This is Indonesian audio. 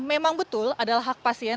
memang betul adalah hak pasien